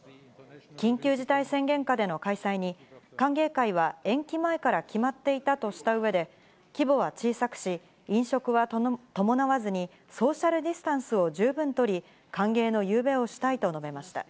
緊急事態宣言下での開催に、歓迎会は延期前から決まっていたとしたうえで、規模は小さくし、飲食は伴わずにソーシャルディスタンスを十分取り、歓迎の夕べをしたいと述べました。